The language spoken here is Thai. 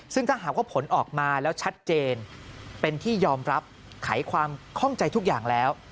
ซึ่งถ้าหากว่าผลออกมาแล้วชัดเจนเป็นที่ยอมรับไขความข้องใจทุกอย่างแล้ว